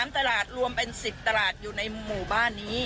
๓ตลาดรวมเป็น๑๐ตลาดอยู่ในหมู่บ้านนี้